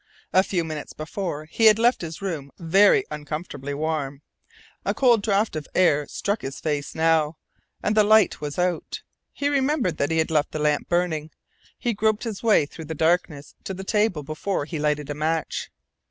A few minutes before he had left his room even uncomfortably warm. A cold draught of air struck his face now, and the light was out. He remembered that he had left the lamp burning. He groped his way through the darkness to the table before he lighted a match.